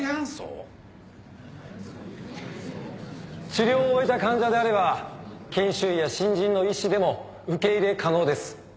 治療を終えた患者であれば研修医や新人の医師でも受け入れ可能です。